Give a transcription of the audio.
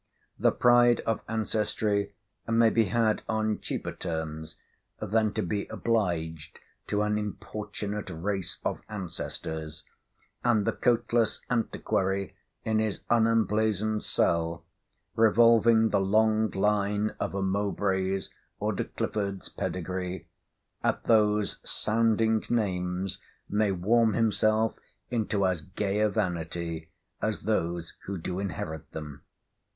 The pride of ancestry may be had on cheaper terms than to be obliged to an importunate race of ancestors; and the coatless antiquary in his unemblazoned cell, revolving the long line of a Mowbray's or De Clifford's pedigree, at those sounding names may warm himself into as gay a vanity as those who do inherit them.